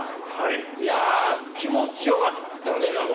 いや、気持ちよかったね、なんか。